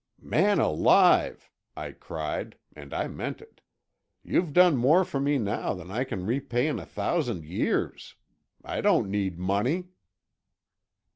"Man alive!" I cried—and I meant it, "you've done more for me now than I can repay in a thousand years. I don't need money."